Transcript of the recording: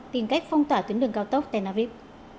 tìm cách phong tỏa tuyến đường cao tốc tenerife